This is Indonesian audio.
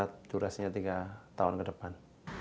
setelah jurasinya tiga tahun ke depan